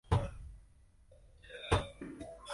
大部分种类的植物都是国立武汉大学建立后引种的。